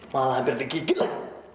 malah hampir digigil om